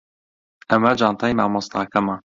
ئەمە جانتای مامۆستاکەمە.